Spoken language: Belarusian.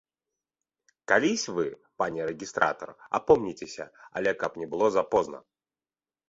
Калісь вы, пане рэгістратар, апомніцеся, але каб не было запозна.